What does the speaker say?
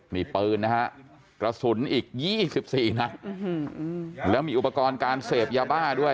นี่ปืนนะฮะกระสุนอีก๒๔นัดแล้วมีอุปกรณ์การเสพยาบ้าด้วย